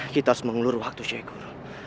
kita harus mengelur waktu syekh guru